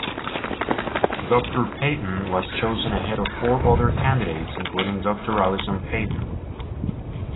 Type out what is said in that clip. Doctor Peyton was chosen ahead of four other candidates including Doctor Alison Peden.